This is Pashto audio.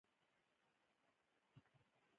مثلاً ما د هډوکو مثال ورکو.